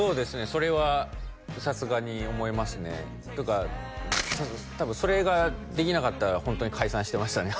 それはさすがに思いますねというか多分それができなかったらホントに解散してましたね